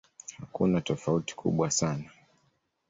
Hakuna tofauti kubwa sana.